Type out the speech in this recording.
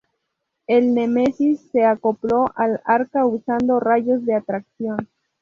El Nemesis se acopló al Arca usando rayos de atracción.